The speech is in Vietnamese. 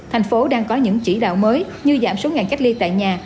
thành phố đang có những chỉ đạo mới như giảm số ngày cách ly tại nhà